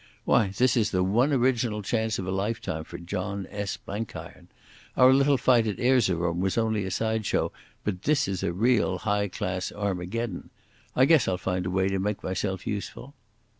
Why, this is the one original chance of a lifetime for John S. Blenkiron. Our little fight at Erzerum was only a side show, but this is a real high class Armageddon. I guess I'll find a way to make myself useful."